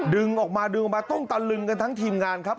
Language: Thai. ดึงออกมาดึงออกมาต้องตะลึงกันทั้งทีมงานครับ